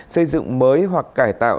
xây dựng mới hoặc cải tạo